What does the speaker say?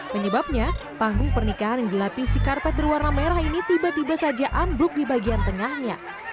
penyebabnya panggung pernikahan yang dilapisi karpet berwarna merah ini tiba tiba saja ambruk di bagian tengahnya